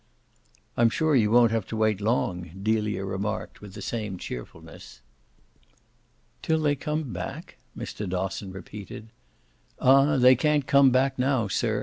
"I'm sure you won't have to wait long!" Delia remarked with the same cheerfulness. "'Till they come back'?" Mr. Dosson repeated. "Ah they can't come back now, sir.